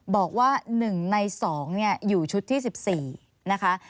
บอกว่า๑ใน๒อยู่ชุดที่๑๔นะคะ